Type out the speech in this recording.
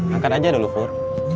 angkat aja dulu fur